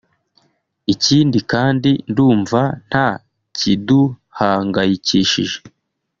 ikindi kandi ndumva nta kiduhangayikishije